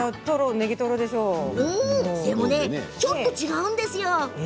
でも、ちょっと違うんです。